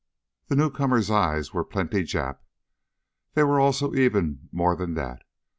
The newcomer's eyes were plenty Jap. They were also even more than that.